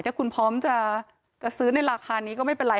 ถ้าคุณพร้อมจะซื้อในราคานี้ก็ไม่เป็นไร